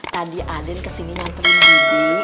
tadi aden kesini nyamperin bibi